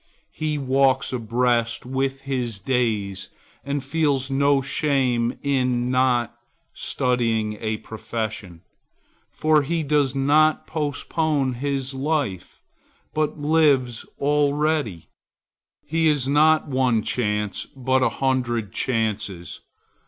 He walks abreast with his days and feels no shame in not 'studying a profession,' for he does not postpone his life, but lives already. He has not one chance, but a hundred chances.